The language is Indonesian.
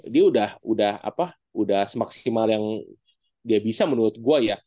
dia udah semaksimal yang dia bisa menurut gue ya